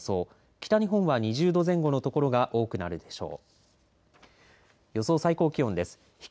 北日本は２０度前後の所が多くなるでしょう。